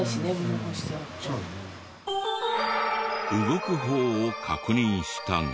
動く方を確認したが。